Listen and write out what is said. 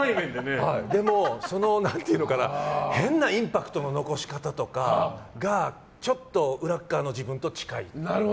でも変なインパクトの残し方とかがちょっと裏側の自分と近い。